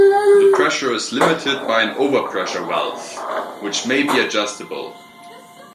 The pressure is limited by an overpressure valve which may be adjustable.